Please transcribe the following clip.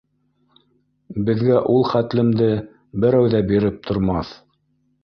Беҙгә ул хәтлемде берәү ҙә биреп тормаҫ.